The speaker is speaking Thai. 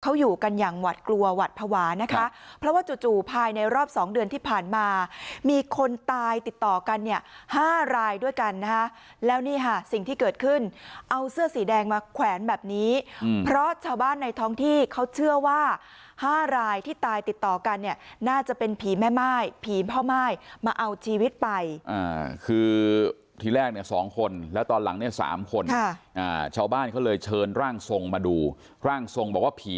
เขาอยู่กันอย่างหวัดกลัวหวัดภาวะนะคะเพราะว่าจู่ภายในรอบ๒เดือนที่ผ่านมามีคนตายติดต่อกันเนี่ย๕รายด้วยกันนะฮะแล้วนี่ค่ะสิ่งที่เกิดขึ้นเอาเสื้อสีแดงมาแขวนแบบนี้เพราะชาวบ้านในท้องที่เขาเชื่อว่า๕รายที่ตายติดต่อกันเนี่ยน่าจะเป็นผีแม่ม่ายผีพ่อม่ายมาเอาชีวิตไปคือที่แรกเนี่ยสอง